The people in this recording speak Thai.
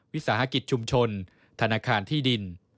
วิสาหกิจชุมชนธนาคารที่ดิน